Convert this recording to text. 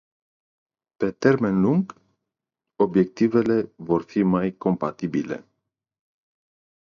Pe termen lung, obiectivele vor fi mai compatibile.